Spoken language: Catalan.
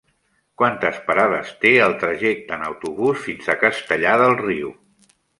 Quantes parades té el trajecte en autobús fins a Castellar del Riu?